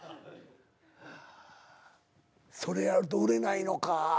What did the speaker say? それやると売れないのか。